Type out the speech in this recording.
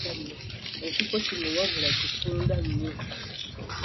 Ekifo kino wabula kifunda nnyo.